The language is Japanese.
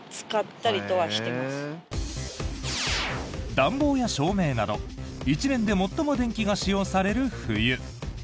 暖房や照明など１年で最も電気が使用される冬。